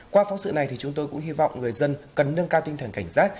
qua phóng sự này thì chúng tôi cũng hy vọng người dân cần nâng cao tinh thần cảnh giác